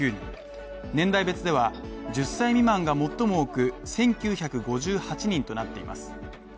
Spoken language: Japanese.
年代別では１０歳未満が最も多く１９５８人となっています。